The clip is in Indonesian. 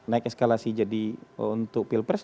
naik eskalasi jadi untuk pilpres